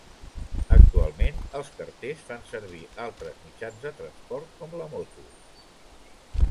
Actualment, els carters fan servir altres mitjans de transport, com la moto.